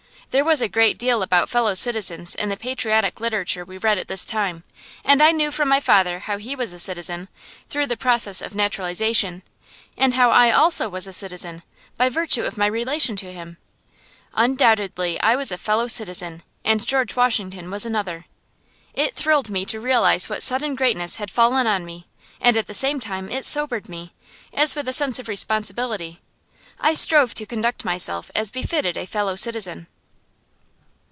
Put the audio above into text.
There was a great deal about Fellow Citizens in the patriotic literature we read at this time; and I knew from my father how he was a Citizen, through the process of naturalization, and how I also was a citizen, by virtue of my relation to him. Undoubtedly I was a Fellow Citizen, and George Washington was another. It thrilled me to realize what sudden greatness had fallen on me; and at the same time it sobered me, as with a sense of responsibility. I strove to conduct myself as befitted a Fellow Citizen.